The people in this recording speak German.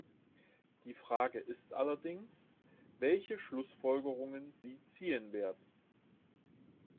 Die Frage ist allerdings, welche Schlussfolgerungen sie ziehen werden.